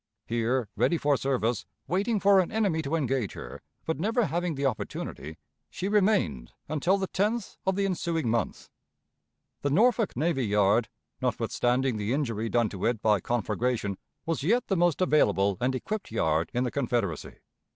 Here, ready for service, waiting for an enemy to engage her, but never having the opportunity, she remained until the 10th of the ensuing month. The Norfolk Navy Yard, notwithstanding the injury done to it by conflagration, was yet the most available and equipped yard in the Confederacy.